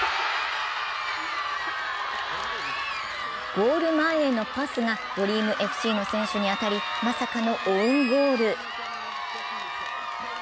ゴール前へのパスがＤＲＥＡＭＦＣの選手に当たりまさかのオウンゴール。